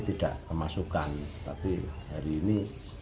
tidak kemasukan tapi hari ini